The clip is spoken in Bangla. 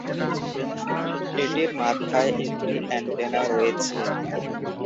এটির মাথায় একটি অ্যান্টেনা রয়েছে।